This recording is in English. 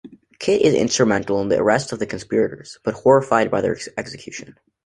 Kit is instrumental in the arrest of the conspirators, but horrified by their execution.